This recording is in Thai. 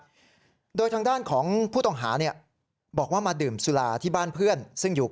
ด้วยโดยทางด้านของผู้ต้องหาเนี่ยบอกว่ามาดื่มสุราที่บ้านเพื่อนซึ่งอยู่